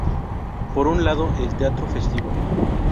Por un lado, el teatro festivo.